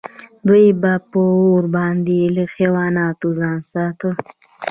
دوی به په اور باندې له حیواناتو ځان ساته.